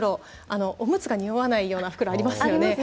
おむつがにおわないような袋ありますよね。